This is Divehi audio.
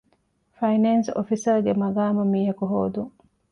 ފައިނޭންސް އޮފިސަރ ގެ މަޤާމަށް މީހަކު ހޯދުން.